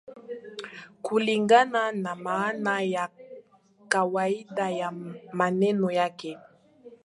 kulingana na maana ya kawaida ya maneno yake